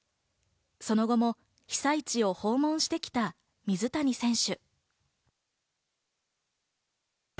その後も被災地を訪問してきた水谷選手。